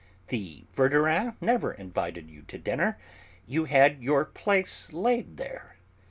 The Verdurins never invited you to dinner; you had your 'place laid' there.